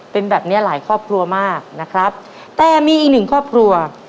เป็นแบบเนี้ยหลายครอบครัวมากนะครับแต่มีอีกหนึ่งครอบครัว